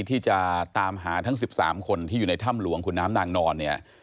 ที่จะตามหาทั้ง๑๓คนที่อยู่ในถ้ำหลวงขุนน้ำนางนอนเนี่ย